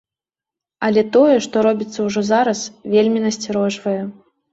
Але тое, што робіцца ўжо зараз, вельмі насцярожвае.